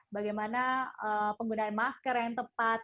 bagaimana penggunaan masker yang tepat